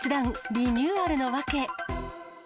リニューアルの訳。